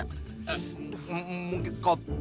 kopinya dikasih obat bobo kali ya